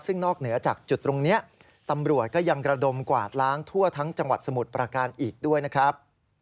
ซึ่งนอกเหนือจากจุดตรงนี้ตำรวจก็ยังระดมกวาดล้างทั่วทั้งจังหวัดสมุทรประการอีกด้วยนะครับ